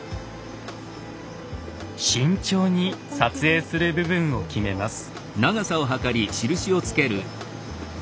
慎重に撮影する部分を決めます。